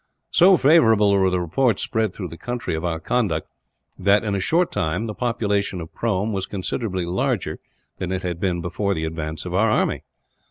So favourable were the reports spread through the country of our conduct that, in a short time, the population of Prome was considerably larger than it had been before the advance of our army.